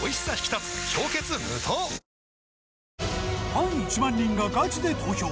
ファン１万人がガチで投票！